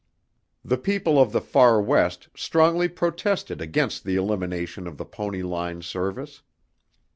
The people of the far West strongly protested against the elimination of the pony line service.